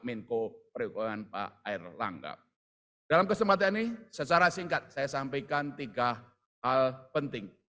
jokowi periklan pak erlangga dalam kesempatan ini secara singkat saya sampaikan tiga hal penting